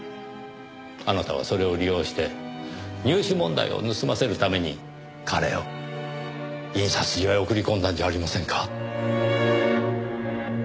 あなたはそれを利用して入試問題を盗ませるために彼を印刷所へ送り込んだんじゃありませんか？